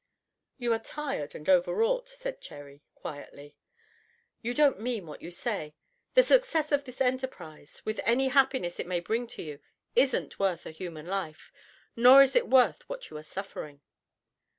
"You are tired and overwrought," said Cherry, quietly. "You don't mean what you say. The success of this enterprise, with any happiness it may bring you, isn't worth a human life; nor is it worth what you are suffering."